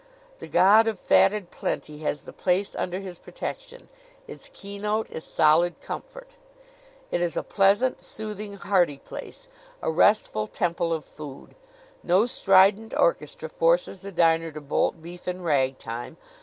The god of fatted plenty has the place under his protection. Its keynote is solid comfort. It is a pleasant, soothing, hearty place a restful temple of food. No strident orchestra forces the diner to bolt beef in ragtime.